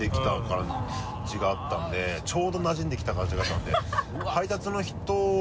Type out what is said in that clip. ちょうどなじんできた感じがあったので。